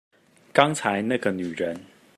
剛才那個女人